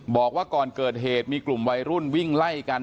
บอกว่าก่อนเกิดเหตุมีกลุ่มวัยรุ่นวิ่งไล่กัน